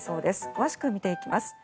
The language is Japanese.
詳しく見ていきます。